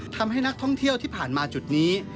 ทำให้นักท่องเที่ยวที่ผ่านมาจุดนี้